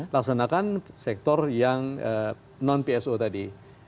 laksanakan sektor yang non pso tadi